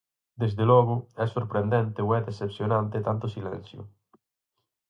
Desde logo, é sorprendente ou é decepcionante tanto silencio.